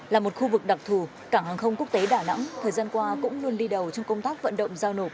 là một khu vực đặc thù cảng hàng không quốc tế đà nẵng thời gian qua cũng luôn đi đầu trong công tác vận động giao nộp